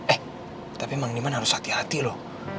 eh tapi mang diman harus hati hati loh